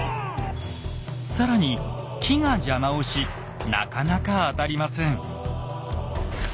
更に木が邪魔をしなかなか当たりません。